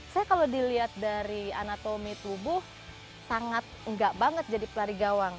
saya kalau dilihat dari anatomi tubuh sangat enggak banget jadi pelari gawang